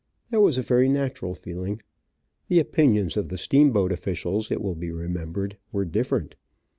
That was a very natural feeling. The opinions of the steamboat officials, it will be remembered, were different.